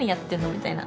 みたいな。